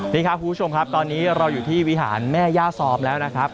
นี่ครับคุณผู้ชมครับตอนนี้เราอยู่ที่วิหารแม่ย่าซอมแล้วนะครับ